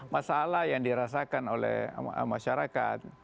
masalah yang dirasakan oleh masyarakat